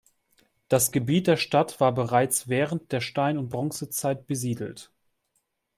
Das Gebiet der Stadt war bereits während der Stein- und Bronzezeit besiedelt.